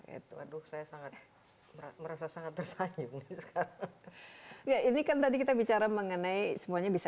itu aduh saya sangat merasa sangat tersanjung sekarang ya ini kan tadi kita bicara mengenai semuanya bisa